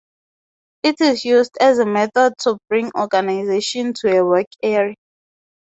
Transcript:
It is used as a method to bring organization to a work area.